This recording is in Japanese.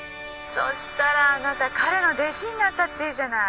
そしたらあなた彼の弟子になったっていうじゃない。